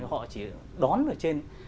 họ chỉ đón ở trên